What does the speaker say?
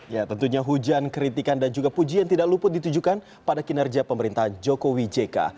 ya tentunya hujan kritikan dan juga puji yang tidak luput ditujukan pada kinerja pemerintahan jokowi jk